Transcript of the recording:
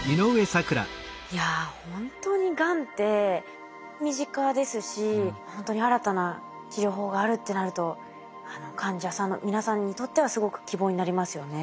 いやほんとにがんって身近ですしほんとに新たな治療法があるってなると患者さんの皆さんにとってはすごく希望になりますよね。